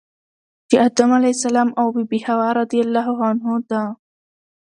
چی هغه ادم علیه السلام او بی بی حوا رضی الله عنها ده .